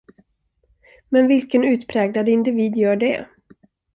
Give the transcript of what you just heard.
Men vilken utpräglad individ gör det?